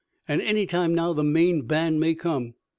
An' any time now the main band may come.